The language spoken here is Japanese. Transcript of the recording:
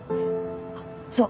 あっそう！